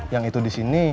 yang itu di sini